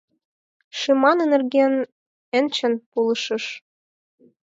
Шыман эҥертен ончыл пулышыш